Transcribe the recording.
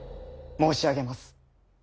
申し上げます。